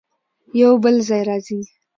يو بل ځای راځي